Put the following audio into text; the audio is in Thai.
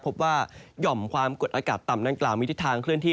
หย่อมความกดอากาศต่ำดังกล่าวมีทิศทางเคลื่อนที่